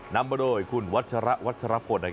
นำมาด้วยคุณวัชรพนธ์